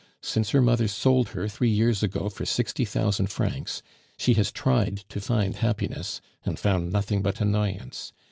Since her mother sold her three years ago for sixty thousand francs, she has tried to find happiness, and found nothing but annoyance.